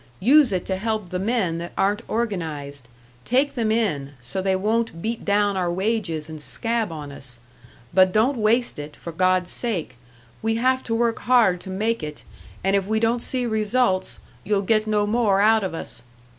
Use it to help the men that aren't organised take them in, so they won't beat down our wages and scab on us. But don't waste it, for God's sake; we have to work hard to make it, and if we don't see results, you'll get no more out of us.'